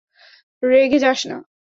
রেগে যাস না।